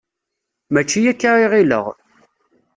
Mačči akka i ɣileɣ.